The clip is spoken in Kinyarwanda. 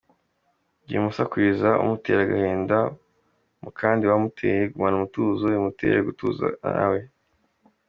Wimusakuriza umutera agahinda mu kandi wamuteye, gumana umutuzo bimutere gutuza nawe.